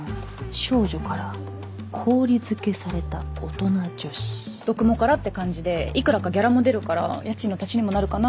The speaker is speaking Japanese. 少女から氷漬けされた大人女子読モからって感じでいくらかギャラも出るから家賃の足しにもなるかなって